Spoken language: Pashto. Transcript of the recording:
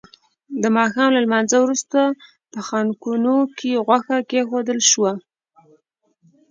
د ماښام له لمانځه وروسته په خانکونو کې غوښه کېښودل شوه.